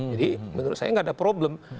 jadi menurut saya nggak ada problem